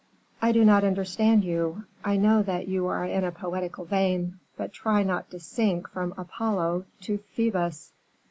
"I do not understand you. I know that you are in a poetical vein; but try not to sink from Apollo to Phoebus."